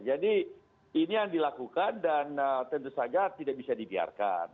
jadi ini yang dilakukan dan tentu saja tidak bisa dibiarkan